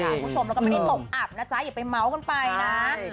คุณผู้ชมแล้วก็ไม่ได้ตกอับนะจ๊ะอย่าไปเมาส์กันไปนะ